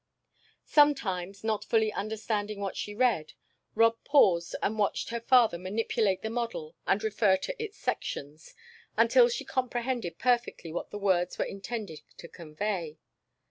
Sometimes, not fully understanding what she read, Rob paused and watched her father manipulate the model, and refer to its sections, until she comprehended perfectly what the words were intended to convey.